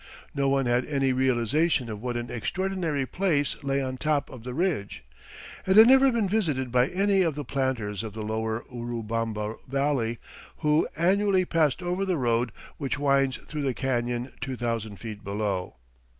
No one had any realization of what an extraordinary place lay on top of the ridge. It had never been visited by any of the planters of the lower Urubamba Valley who annually passed over the road which winds through the canyon two thousand feet below.